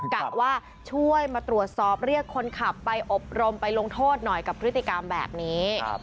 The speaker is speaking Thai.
กะว่าช่วยมาตรวจสอบเรียกคนขับไปอบรมไปลงโทษหน่อยกับพฤติกรรมแบบนี้